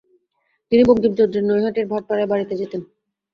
তিনি বঙ্কিমচন্দ্রের নৈহাটির ভাটপাড়ার বাড়িতে যেতেন।